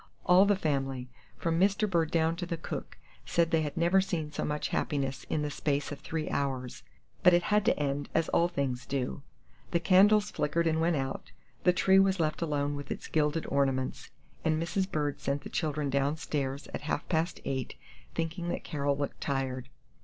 All the family, from Mr. Bird down to the cook, said they had never seen so much happiness in the space of three hours; but it had to end, as all things do. The candles flickered and went out, the tree was left alone with its gilded ornaments, and Mrs. Bird sent the children down stairs at half past eight, thinking that Carol looked tired.